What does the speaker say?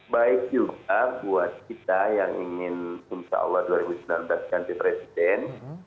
baik juga buat kita yang ingin insya allah dua ribu sembilan belas ganti presiden